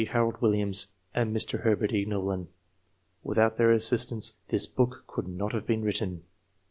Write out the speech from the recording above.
Harold Williams, and Mr. Herbert E. Knollin. Without their assistance this book could not have been written.